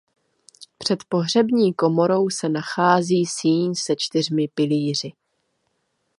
Před pohřební komorou se nachází síň se čtyřmi pilíři.